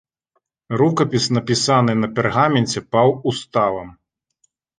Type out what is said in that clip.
Рукапіс напісаны на пергаменце паўуставам.